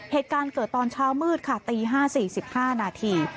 เหตุการณ์เกิดตอนเช้ามืดค่ะตี๕๔๕นาที